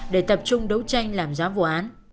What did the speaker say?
để tập trung đấu tranh làm rõ vụ án